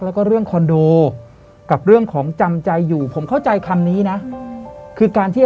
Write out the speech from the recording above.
ย้ายแล้วนะอะไรแบบเนี่ย